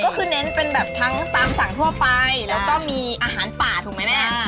ก็คือเน้นเป็นแบบทั้งตามสั่งทั่วไปแล้วก็มีอาหารป่าถูกไหมแม่